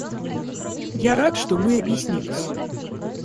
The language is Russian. Я рад, что мы объяснились.